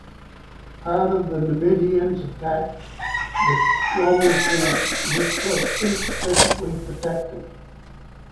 Part of the Numidians attacked the Roman camp which was insufficiently protected.